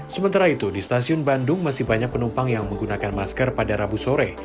sementara itu di stasiun bandung masih banyak penumpang yang menggunakan masker pada rabu sore